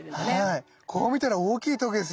こう見たら大きいとげですよね。